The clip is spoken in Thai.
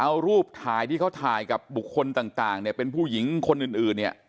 เอารูปถ่ายที่เขาถ่ายกับบุคคลต่างเนี่ยเป็นผู้หญิงคนอื่นเนี่ย